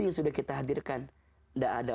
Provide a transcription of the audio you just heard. yang sudah kita hadirkan tidak ada